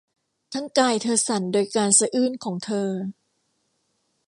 ทั้งกายเธอสั่นโดยการสะอื้นของเธอ